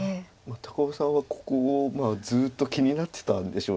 高尾さんはここをずっと気になってたんでしょう。